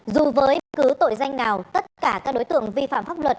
dù với bất cứ tội danh nào tất cả các đối tượng vi phạm pháp luật